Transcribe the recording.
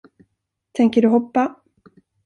Tänker du hoppa?